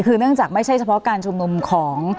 คือเนื่องจากไม่ใช่เฉพาะการชุมนุมของ